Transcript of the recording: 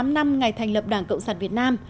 tám mươi tám năm ngày thành lập đảng cộng sản việt nam